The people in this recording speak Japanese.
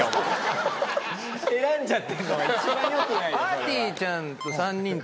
選んじゃってんのは一番良くないよ。